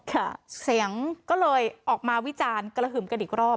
ค่ะเสียงก็เลยออกมาวิจารณ์กระหึ่มกันอีกรอบ